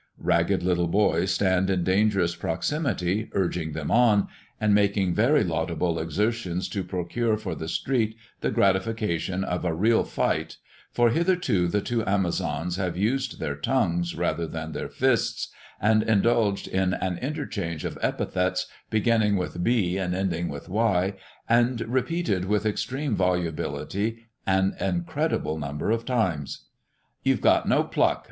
Ragged little boys stand in dangerous proximity, urging them on, and making very laudable exertions to procure for the street the gratification of a "real fight," for hitherto the two Amazons have used their tongues rather than their fists, and indulged in an interchange of epithets beginning with b and ending with y, and repeated with extreme volubility an incredible number of times. "You've got no pluck!